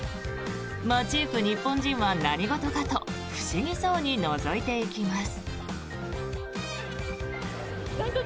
街行く日本人は何事かと不思議そうにのぞいていきます。